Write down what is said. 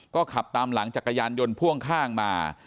ก็ขับตามหลังจักรยานยนต์พ่วงข้างมา